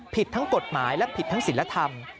ผิดทั้งกฎหมายและผิดทั้งศิลธรรม